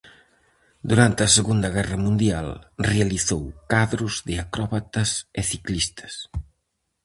Durante a Segunda Guerra Mundial realizou cadros de acróbatas e ciclistas.